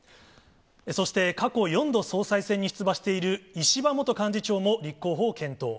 そして、過去４度総裁選に出馬している石破元幹事長も立候補を検討。